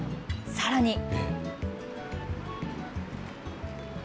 さらに。